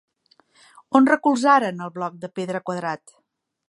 On recolzaren el bloc de pedra quadrat?